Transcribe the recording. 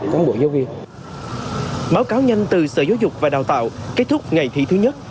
các nhân từ sở giáo dục và đào tạo kết thúc ngày thi thứ nhất